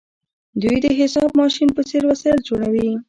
دوی د حساب ماشین په څیر وسایل جوړوي.